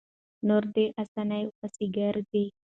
نور دې اسانو پسې ګرځي؛